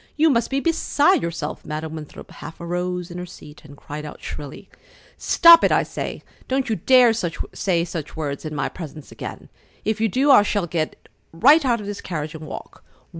You must be beside yourself!" Madam Winthrop half arose in her seat and cried out shrilly: "Stop it, I say! Don't you dare say such words in my presence again! If you do, I shall get right out of this carriage and walk!